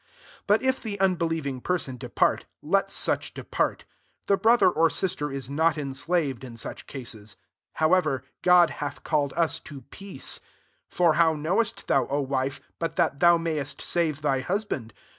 15 But if the unbelieving peraon depart, let such depart The brother or sister is not enslaved in such crnea. Haw ever, God hath called us to peace. 16 For how knowest thou, O wife, but that thou mayest save t,hy husband?